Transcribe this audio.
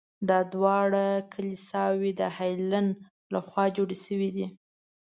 دا دواړه کلیساوې د هیلن له خوا جوړې شوي دي.